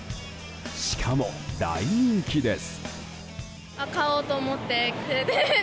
しかも大人気です。